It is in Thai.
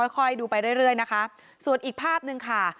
ค่อยดูไปเรื่อยนะคะส่วนอีกภาพหนึ่งค่ะ